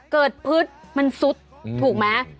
เกิดพืชมันซุดถูกมั้ย